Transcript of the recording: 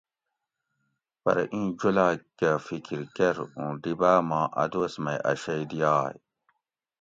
پرہ اِیں جولاگ کہ فکر کرۤ اُوں ڈیبا ما اَ دوس مئ اَ شئ دیائ